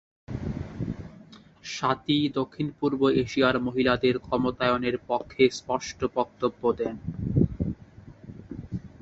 স্বাতী দক্ষিণ পূর্ব এশিয়ার মহিলাদের ক্ষমতায়নের পক্ষে স্পষ্ট বক্তব্য দেন।